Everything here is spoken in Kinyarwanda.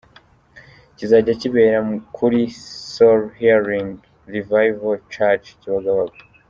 kizajya kibera kuri Soul Healing Revival Church Kibagabaga.